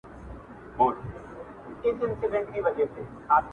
او اصلاح کوونکی مقاومت دی